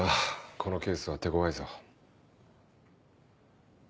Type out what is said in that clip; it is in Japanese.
このケースは手ごわいぞ。